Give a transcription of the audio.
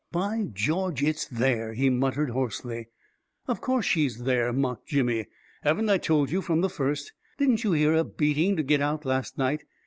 " By George, it's there !" he muttered hoarsely. " Of course she's there !" mocked Jimmy. " Haven't I told you from the first? Didn't you hear her beating to get out last night